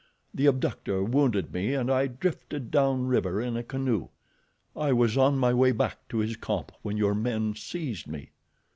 The abductor wounded me and I drifted down river in a canoe—I was on my way back to his camp when your men seized me."